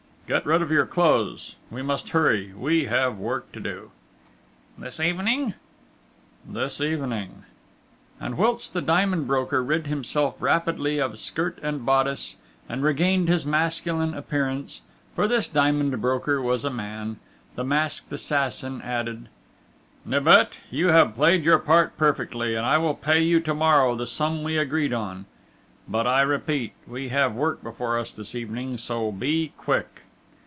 "Get rid of your clothes.... We must hurry!... We have work to do!" "This evening?" "This evening!" And, whilst the diamond broker rid himself rapidly of skirt and bodice and regained his masculine appearance for this diamond broker was a man the masked assassin added: "Nibet, you have played your part perfectly, and I will pay you to morrow the sum we agreed on; but, I repeat, we have work before us this evening so, be quick!"